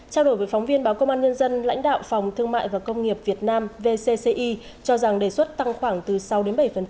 trao đổi với phóng viên báo công an nhân dân lãnh đạo phòng thương mại và công nghiệp việt nam vcci cho rằng đề xuất tăng khoảng từ sáu đến bảy